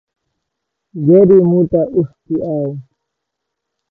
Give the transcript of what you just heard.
Geri mut'a ushti aw